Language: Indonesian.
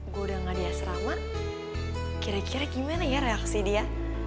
gue udah gak di asrama kira kira gimana ya reaksi dia